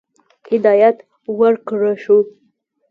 هدایت ورکړه شو.